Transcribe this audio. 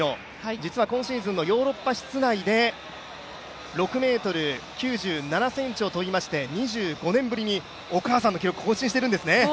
実は今シーズンのヨーロッパ室内で６ｍ９７ｃｍを跳びましてお母さんの記録を更新しているんですね。